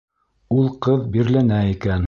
— Ул ҡыҙ бирләнә икән.